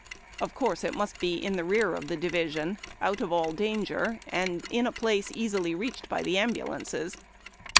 Of course, it must be in the rear of the division, out of all danger and in a place easily reached by the ambulances.